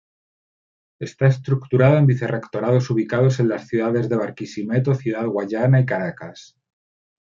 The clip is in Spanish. Está estructurada en Vice-Rectorados ubicados en las ciudades de Barquisimeto, Ciudad Guayana y Caracas.